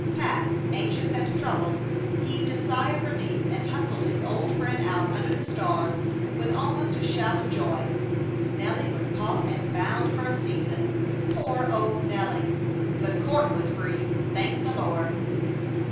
Pat, anxious and troubled, heaved a sigh of relief, and hustled his old friend out under the stars with almost a shout of joy. Nelly was caught and bound for a season. Poor old Nelly! But Court was free! Thank the Lord!